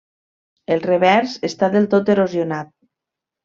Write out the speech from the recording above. El revers està del tot erosionat.